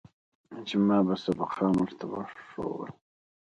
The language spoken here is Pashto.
چې ما به سبقان ورته ښوول.